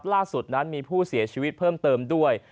ล่าสุดนั้นมีผู้เสียชีวิตเพิ่มเติมด้วย